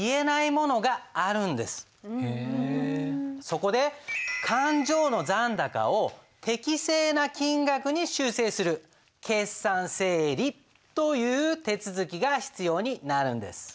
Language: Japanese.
そこで勘定の残高を適正な金額に修正する決算整理という手続きが必要になるんです。